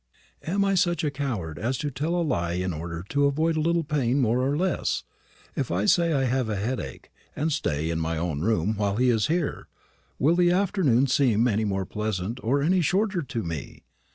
"Am I such a coward as to tell a lie in order to avoid a little pain more or less? If I say I have a headache, and stay in my own room while he is here, will the afternoon seem any more pleasant or any shorter to me?